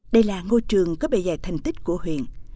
đây là ngôi trường có bề dạy thành tích của huyện